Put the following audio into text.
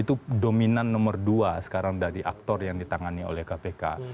itu dominan nomor dua sekarang dari aktor yang ditangani oleh kpk